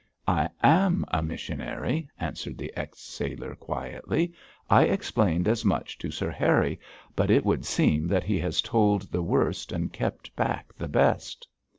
'I am a missionary,' answered the ex sailor, quietly. 'I explained as much to Sir Harry, but it would seem that he has told the worst and kept back the best.'